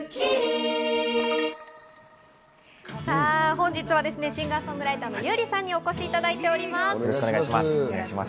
本日はシンガー・ソングライターの優里さんにお越しいただいております。